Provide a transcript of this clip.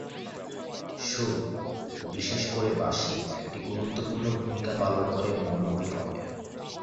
সুর, বিশেষ করে বাঁশি একটি গুরুত্বপূর্ণ ভূমিকা পালন করে মৌলভী ক্রমে।